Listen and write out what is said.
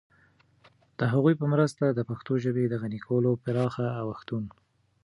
د هغوی په مرسته د پښتو ژبې د غني کولو پراخ اوښتون